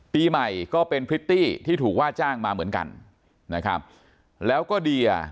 ปีใหม่ก็เป็นพริตตี้ที่ถูกว่าจ้างมาเหมือนกันนะครับแล้วก็เดีย